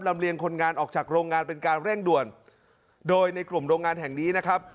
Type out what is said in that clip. เลียงคนงานออกจากโรงงานเป็นการเร่งด่วนโดยในกลุ่มโรงงานแห่งนี้นะครับ